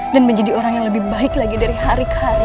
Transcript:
dan menjadi orang yang lebih baik lagi dari hari ke hari